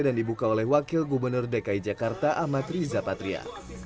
dan dibuka oleh wakil gubernur dki jakarta amat riza patria